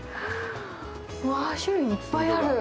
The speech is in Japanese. うわあ、種類いっぱいある。